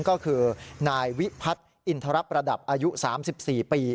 ก็คือนายวิพัฒน์อินทรประดับอายุ๓๔ปี